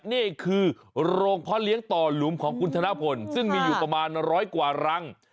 หรือลงพเรียงต่อหลุมของกุฏฒนโผลนซึ่งมีอยู่ประมาณร้อยกว่ารัง